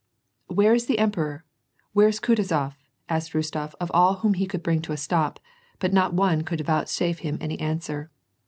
"Where is the emperor? Where is Kutuzof?" asked Rostof of all whom he could bring to a stop, but not one could vouchsafe him any answer.